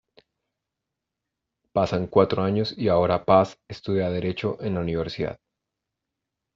Pasan cuatro años y ahora Paz estudia Derecho en la universidad.